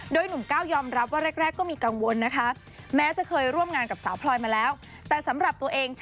ก็เป็นสไตล์ผมอยู่แล้วนะครับ